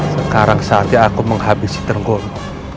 sekarang saatnya aku menghabisi tenggoro